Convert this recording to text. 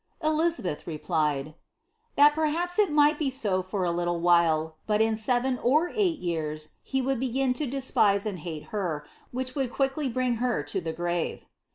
Elizabeth replied, '^ that perha|>s it might be so for a little while, but in seven or eight years he would WgiD to despise and hate her, which would quickly bring her to the giife."